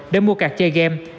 để mua cạt chơi game